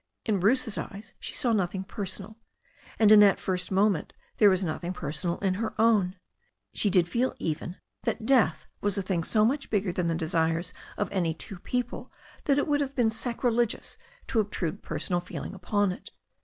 In Bruce's eyes she saw nothing personal, and in that first moment there was nothing personal in her own. She did feel even then that death was a thing so much bigger than the desires of any two people that it would have been sacri legious to obtrude personal feeling upon it.